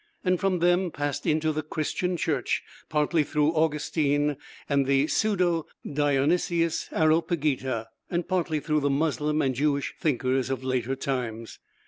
and from them passed into the Christian Church, partly through Augustine and the Pseudo Dionysius Areopagita (q.v.), and partly through the Muslim and Jewish thinkers of later times.